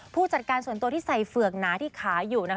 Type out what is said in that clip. ผู้จัดการส่วนตัวที่ใส่เฝือกหนาที่ขาอยู่นะคะ